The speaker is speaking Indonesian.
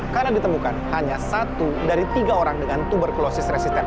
karena ditemukan hanya satu dari tiga orang dengan tuberkulosis resisten